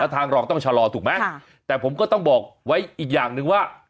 ทางรองต้องชะลอถูกไหมแต่ผมก็ต้องบอกไว้อีกอย่างหนึ่งว่า